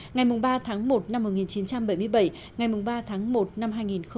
ngày ba tháng một năm một nghìn chín trăm bảy mươi bảy ngày ba tháng một năm hai nghìn hai mươi